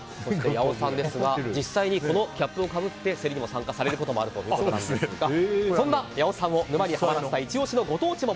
八尾さんですが実際にこのキャップをかぶって競りに参加されることもあるということですがそんな八尾さんを沼にハマらせたイチ押しのご当地桃。